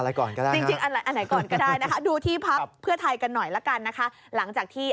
อะไรก่อนก็ได้นะครับดูที่พักเพื่อไทยกันหน่อยหลังจากที่